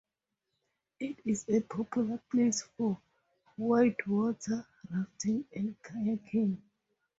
It is a popular place for whitewater rafting and kayaking.